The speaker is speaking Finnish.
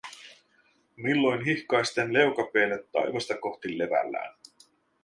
Milloin hihkaisten leukapielet taivasta kohti levällään.